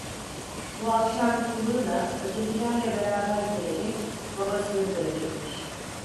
Bu akşam Tulu da ötekilerle beraber gelecek, babasını görecekmiş.